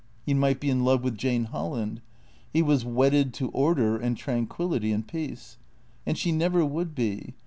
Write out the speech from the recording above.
He might be in love with Jane Holland. He was wedded to order and tranquillity and peace. And she never would be.